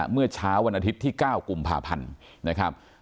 เมื่อเช้าวันอาทิตย์ที่๙กุมภาพันธ์นะครับ